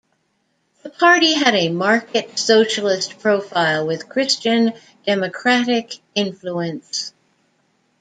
The party had a market-socialist profile with Christian-democratic influence.